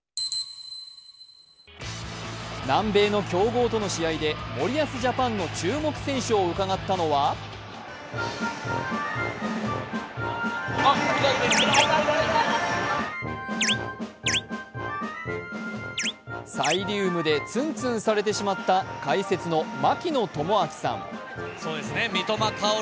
南米の強豪との試合で、森保ジャパンの注目選手をうかがったのはサイリウムでつんつんされてしまった解説の槙野智章さん。